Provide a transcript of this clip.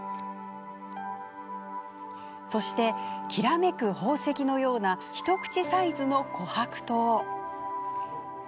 そして、きらめく宝石のような一口サイズの琥珀糖。